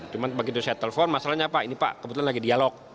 cuma begitu saya telepon masalahnya pak ini pak kebetulan lagi dialog